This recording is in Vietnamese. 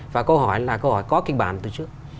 và câu hỏi là câu hỏi có kinh bản từ trước